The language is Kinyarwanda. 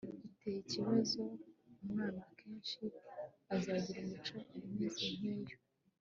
iteye ikibazo umwana akenshi azagira imico imeze nkiyo